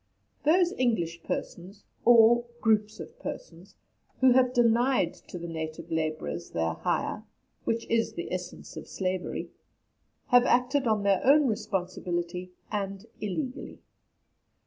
Those English persons, or groups of persons, who have denied to the native labourers their hire (which is the essence of slavery), have acted on their own responsibility, and illegally.